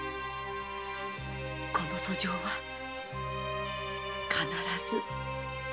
この訴状は必ず上様に。